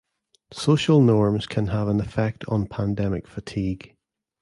Social norms can have an effect on pandemic fatigue.